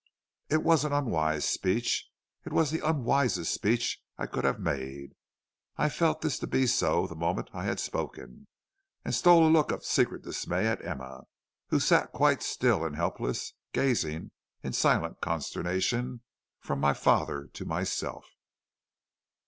"It was an unwise speech; it was the unwisest speech I could have made. I felt this to be so the moment I had spoken, and stole a look of secret dismay at Emma, who sat quite still and helpless, gazing, in silent consternation, from my father to myself.